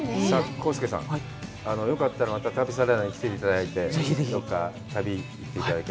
浩介さん、よかったら、また旅サラダに来ていただいて、旅に行っていただいて。